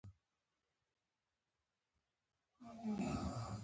دریشي یو پخوانی لباس دی.